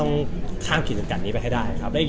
ต้องข้ามขีดสังกัดนี้ไปให้ได้ครับ